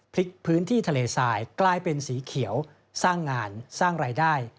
พื้นที่ทะเลทรายกลายเป็นสีเขียวสร้างงานสร้างรายได้